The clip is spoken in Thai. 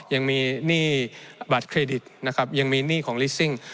ยังมีหนี้บัตรเครดิตนะครับยังมีหนี้ของลิสซิ่ง